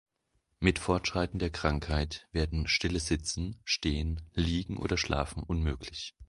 Mit Fortschreiten der Krankheit werden stilles Sitzen, Stehen, Liegen oder Schlafen unmöglich.